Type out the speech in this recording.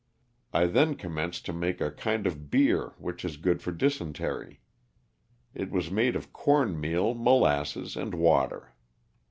I then commenced to make a kind of beer which is good for dysentery. It was made of corn meal, molasses and water.